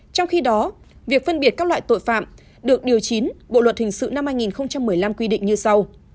trong khi đó việc phân biệt các loại tội phạm được điều chín bộ luật hình sự năm hai nghìn một mươi năm quy định như sau